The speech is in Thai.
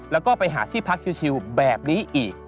แล้วก็ไปหาที่พักชิวแบบนี้อีก